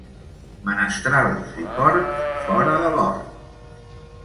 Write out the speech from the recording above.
Menestrals i porcs, fora de l'hort.